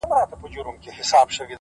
بُت سازېده او د مسجد ملا سلگۍ وهلې”